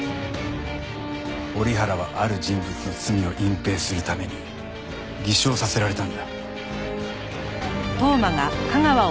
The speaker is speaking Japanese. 折原はある人物の罪を隠蔽するために偽証させられたんだ。